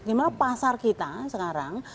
gimana pasar kita sekarang